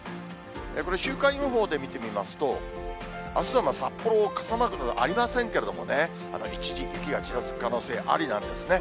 これ、週間予報で見てみますと、あすは札幌、傘マークなどはありませんけれどもね、雪がちらつく可能性があるんですね。